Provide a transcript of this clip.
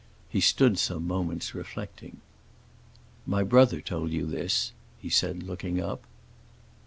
He stood some moments, reflecting. "My brother told you this," he said, looking up.